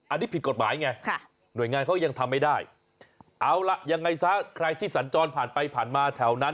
อันนี้ผิดกฎหมายไงหน่วยงานเขายังทำไม่ได้เอาล่ะยังไงซะใครที่สัญจรผ่านไปผ่านมาแถวนั้น